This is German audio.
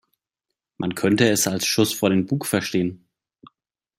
Man könnte es als Schuss vor den Bug verstehen.